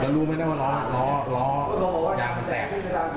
แล้วรู้ไหมนั่งว่าล้ออย่างมันแตก